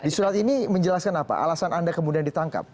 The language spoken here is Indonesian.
di surat ini menjelaskan apa alasan anda kemudian ditangkap